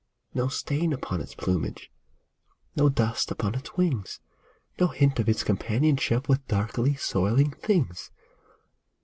No stain upon its plumage ; No dust upon its wings ; No hint of its companionship With darkly soiling things